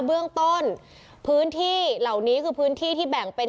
เบื้องต้นพื้นที่เหล่านี้คือพื้นที่ที่แบ่งเป็น